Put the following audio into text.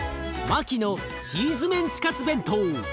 マキのチーズメンチカツ弁当。